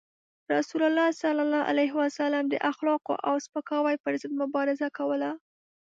رسول الله صلى الله عليه وسلم د اخلاقو او سپکاوي پر ضد مبارزه کوله.